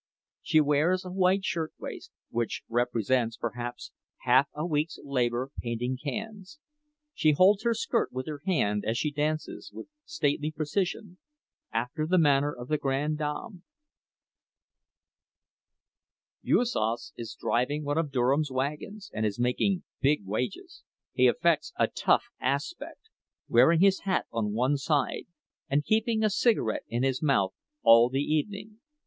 She wears a white shirtwaist, which represents, perhaps, half a week's labor painting cans. She holds her skirt with her hand as she dances, with stately precision, after the manner of the grandes dames. Juozas is driving one of Durham's wagons, and is making big wages. He affects a "tough" aspect, wearing his hat on one side and keeping a cigarette in his mouth all the evening.